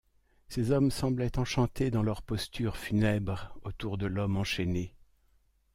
Ces hommes semblaient enchantés dans leur posture funèbre autour de l’homme enchaîné.